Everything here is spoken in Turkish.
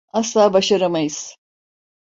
Asla başaramayız.